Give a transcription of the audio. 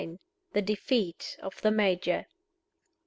THE DEFEAT OF THE MAJOR.